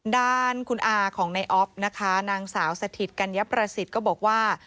ด้านคุณอาของในออฟนะคะนางสาวสถิตกัญญประสิทธิ์ก็บอกว่า